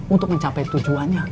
untuk mencapai tujuannya